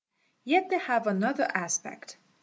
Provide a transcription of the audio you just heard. Yet they have another aspect.